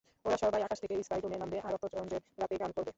ওরা সবাই আকাশ থেকে স্কাইডোমে নামবে, আর রক্তচন্দ্রের রাতে গান করবে।